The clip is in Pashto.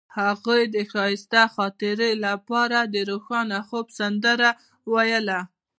هغې د ښایسته خاطرو لپاره د روښانه خوب سندره ویله.